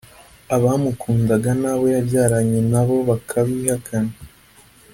abamukundaga n’abo yabyaranye na bo akabihakana